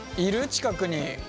近くに。